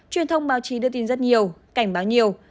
truyền thông báo chí đưa tin rất nhiều cảnh báo nhiều